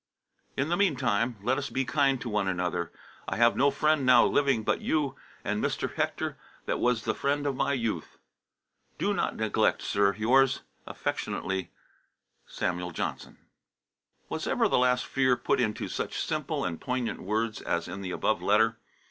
"In the meantime, let us be kind to one another. I have no friend now living but you and Mr. Hector that was the friend of my youth. Do not neglect, sir, yours affectionately, SAM. JOHNSON." Was ever the last fear put into such simple and poignant words as in the above letter?